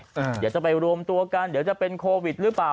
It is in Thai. เดี๋ยวจะไปรวมตัวกันเดี๋ยวจะเป็นโควิดหรือเปล่า